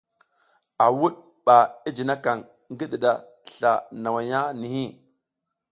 A wuɗ ɓa i jinikaƞ ngi ɗiɗa sla nawaya nihi.